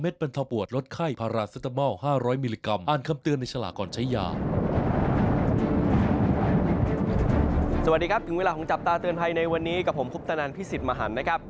สวัสดีครับถึงเวลาของจับตาเตือนภัยในวันนี้กับผมคุปตนันพิสิทธิ์มหันนะครับ